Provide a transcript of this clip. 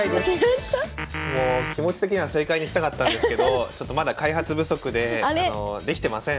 気持ち的には正解にしたかったんですけどまだ開発不足でできてません。